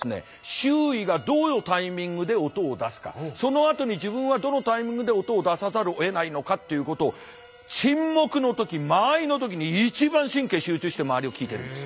周囲がどのタイミングで音を出すかそのあとに自分はどのタイミングで音を出さざるをえないのかということを沈黙の時間合いの時に一番神経集中して周りを聞いてるんです。